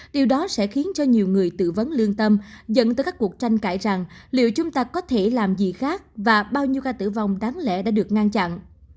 điều đó sẽ khiến cho nhiều người tự vấn lương tâm dẫn tới các cuộc tranh cãi rằng liệu chúng ta có thể làm gì khác và bao nhiêu ca tử vong đáng lẽ đã được ngăn chặn